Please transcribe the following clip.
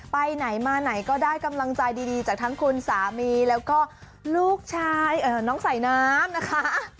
ไปไหนมาไหนก็ได้กำลังใจดีจากทั้งคุณสามีแล้วก็ลูกชายน้องสายน้ำนะคะ